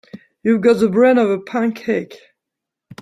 You've got the brain of a pancake.